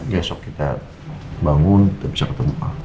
besok kita bangun kita bisa ketemu al